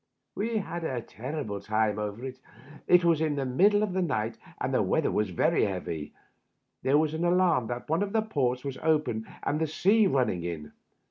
We had a terrible time over it. It was in the middle of the night, and the weather was very heavy ; there was an alarm that one of the ports was open and the sea running in.